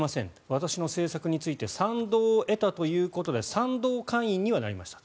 私の政策について賛同を得たということで賛同会員にはなりました。